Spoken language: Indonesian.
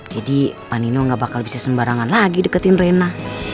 jadi panino gak bakal bisa sembarangan lagi deketin rena